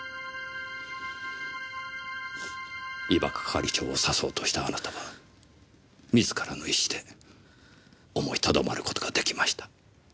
伊庭係長を刺そうとしたあなたが自らの意志で思いとどまる事ができました。